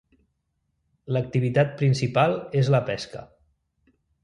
L'activitat principal és la pesca.